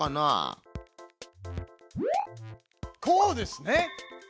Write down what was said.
こうですね！